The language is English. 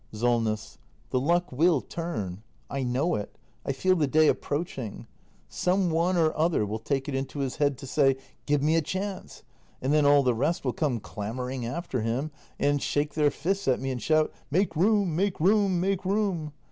SOLNESS. The luck will turn. I know it — I feel the day ap proaching. Some one or other will take it into his head to say: Give me a chance! And then all the rest will come clamouring after him, and shake their fists at me and shout: Make room — make room — make room!